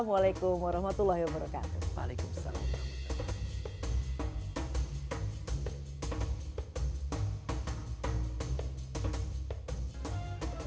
untuk menjalani hidup yang lebih baik lagi